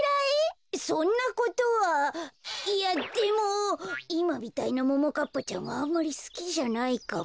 そんなことはいやでもいまみたいなももかっぱちゃんはあんまりすきじゃないかも。